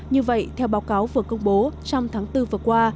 như vậy theo báo cáo vừa công bố trong tháng bốn vừa qua